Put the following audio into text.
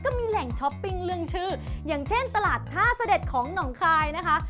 ก็มีแหล่งช้อปปิ้งเรื่องชื่ออย่างเช่นตลาดท่าเสด็จของหนองคายนะคะ